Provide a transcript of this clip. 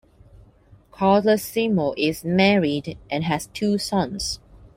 Carlesimo is married and has two sons.